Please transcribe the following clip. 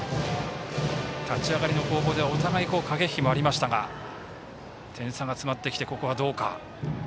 立ち上がりの攻防ではお互い、駆け引きもありましたが点差が詰まってきてどうか。